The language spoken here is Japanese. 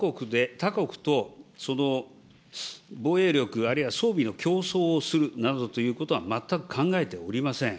わが国は他国と防衛力、あるいは装備の競争をするということなどとは全く考えておりません。